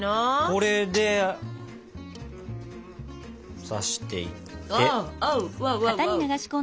これで刺していって。